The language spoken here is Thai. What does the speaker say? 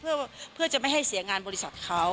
เพื่อจะไม่ให้เสียงานบริษัทเขา